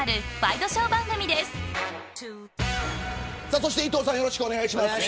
そして伊藤さんよろしくお願いします。